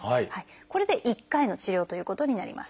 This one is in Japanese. これで一回の治療ということになります。